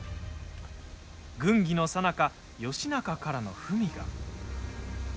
軍議のさなか、義仲からの文が。